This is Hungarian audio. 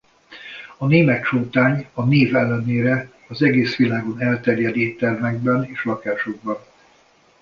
A német csótány a név ellenére az egész világon elterjed éttermekben és lakásokban.